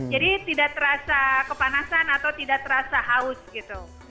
jadi tidak terasa kepanasan atau tidak terasa haus gitu